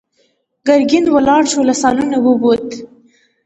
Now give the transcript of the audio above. ګرګين ولاړ شو، له سالونه ووت.